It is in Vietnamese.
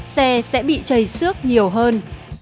xe sẽ bị chảy xước nhiều hơn